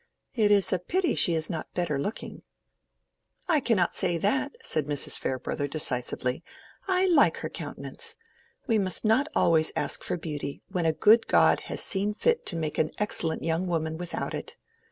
"It is a pity she is not better looking." "I cannot say that," said Mrs. Farebrother, decisively. "I like her countenance. We must not always ask for beauty, when a good God has seen fit to make an excellent young woman without it.